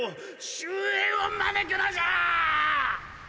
終焉を招くのじゃ！